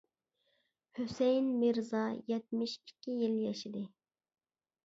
ھۈسەيىن مىرزا يەتمىش ئىككى يىل ياشىدى.